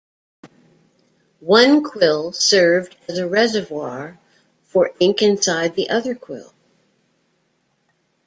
One quill served as a reservoir for ink inside the other quill.